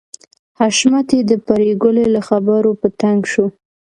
حشمتي د پريګلې له خبرو په تنګ شو